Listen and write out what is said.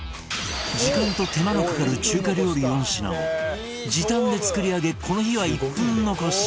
時間と手間のかかる中華料理４品を時短で作り上げこの日は１分残し